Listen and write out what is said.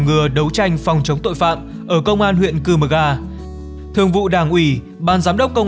ngừa đấu tranh phòng chống tội phạm ở công an huyện cư mờ ga thường vụ đảng ủy ban giám đốc công